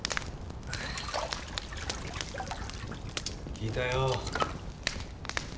・聞いたよ。